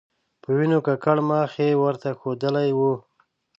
په وینو ککړ مخ یې ورته ښودلی و.